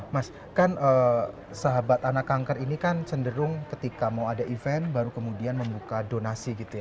mas kan sahabat anak kanker ini kan cenderung ketika mau ada event baru kemudian membuka donasi gitu ya